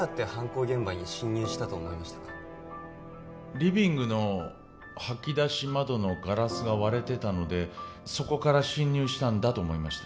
リビングの掃き出し窓のガラスが割れてたのでそこから侵入したんだと思いました